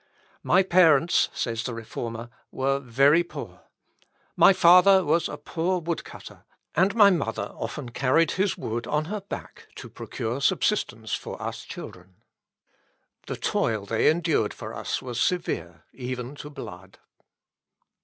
"My parents," says the Reformer, "were very poor. My father was a poor wood cutter, and my mother often carried his wood on her back to procure subsistence for us children. The toil they endured for us was severe, even to blood."